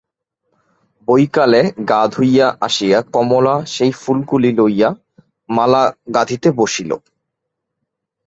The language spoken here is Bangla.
বৈকালে গা ধুইয়া আসিয়া কমলা সেই ফুলগুলি লইয়া মালা গাঁথিতে বসিল।